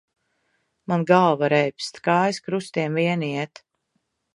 Man galva reibst, kājas krustiem vien iet.